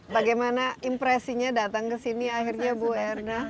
bagaimana impresinya datang ke sini akhirnya bu erna